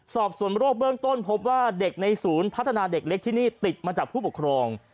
สอบส่วนโรคเบื้องต้นพบว่าเด็กในศูนย์พัฒนาเด็กเล็กที่นี่ติดมาจากผู้ปกครอง